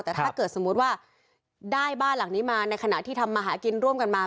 แต่ถ้าเกิดสมมุติว่าได้บ้านหลังนี้มาในขณะที่ทำมาหากินร่วมกันมา